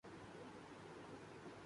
بولی would hero کی اہلیہ بریسٹ کینسر کا شکار